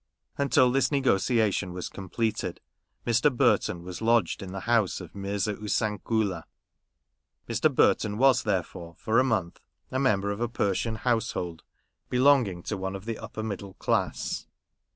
Until this negotiation was completed, Mr. Burton was lodged in the house of Mirza Oosan Koola. Mr. Burton was, therefore, for a month, a member of a Persian household belonging to one of the upper middle class.